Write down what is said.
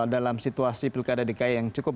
dalam situasi pilkada dki yang cukup